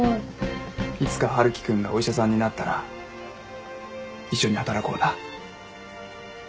いつか春樹君がお医者さんになったら一緒に働こうな。